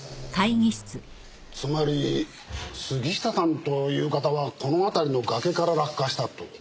つまり杉下さんという方はこの辺りの崖から落下したと？